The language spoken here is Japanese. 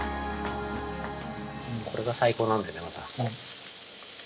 ◆これが最高なんだよね、また。